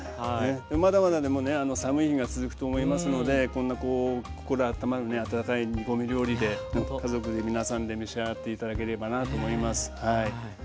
まだまだでもね寒い日が続くと思いますのでこんなこう心あったまるね温かい煮込み料理で家族で皆さんで召し上がって頂ければなと思います